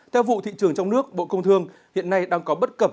theo vụ thị trường trong nước bộ công thương hiện nay đang có bất cập